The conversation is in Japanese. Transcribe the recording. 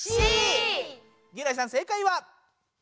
ギュナイさん正解は？